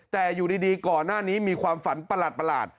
แต่อยู่ดีก่อนหน้านี้มีความฝันประหลาด